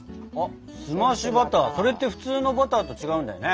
澄ましバターそれって普通のバターと違うんだよね。